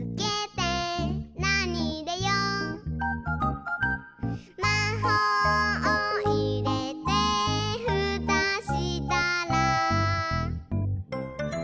「なにいれよう？」「まほうをいれてふたしたら」